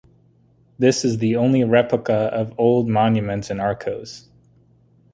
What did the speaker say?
This is the only replica of old monuments in Arcos.